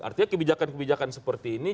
artinya kebijakan kebijakan seperti ini